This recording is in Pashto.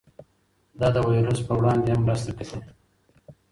دا د ویروس پر وړاندې هم مرسته کوي.